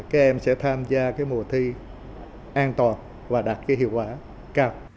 các em sẽ tham gia cái mùa thi an toàn và đạt cái hiệu quả cao